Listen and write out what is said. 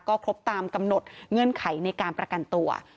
ก็ครบตามกำหนดเงื่อนไขในการประกันตัว